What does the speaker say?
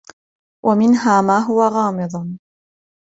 وَمِنْهَا مَا هُوَ غَامِضٌ